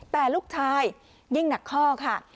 แต่ลูกชายยิ่งหนักข้อค่ะ